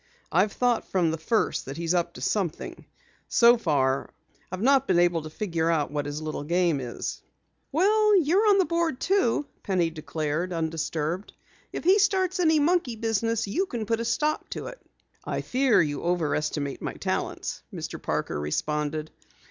I've thought from the first that he's up to something. So far I've not been able to figure out his little game." "Well, you're on the board too," Penny declared, undisturbed. "If he starts any monkey business you can put a quick stop to it." "I fear you overestimate my talents," Mr. Parker responded.